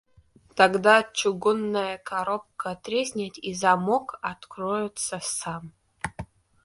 Тогда чугунная коробка треснет и замок откроется сам.